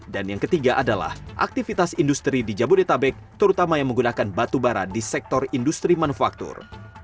dan yang ketiga adalah aktivitas industri di jabodetabek terutama yang menggunakan batu bara di sektor industri manufaktur